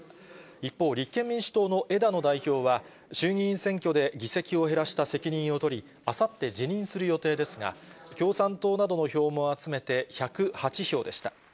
一方、立憲民主党の枝野代表は、衆議院選挙で議席を減らした責任を取り、あさって、辞任する予定ですが、共産党などの票も集めて１０８票でした。